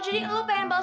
terima kasih sujarmaan